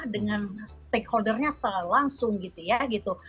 dengan stakeholder nya selalu langsung gitu ya gitu